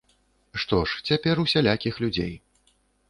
Што ж, цяпер усялякіх людзей.